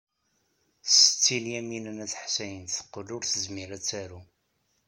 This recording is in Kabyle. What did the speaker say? Setti Lyamina n At Ḥsayen teqqel ur tezmir ad taru.